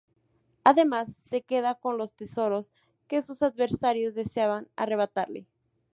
Además, se queda con los tesoros que sus adversarios deseaban arrebatarle.